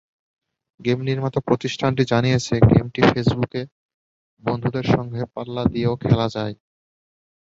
Game নির্মাতা প্রতিষ্ঠানটি জানিয়েছে, গেমটি ফেসবুক বন্ধুদের সঙ্গে পাল্লা দিয়েও খেলা যায়।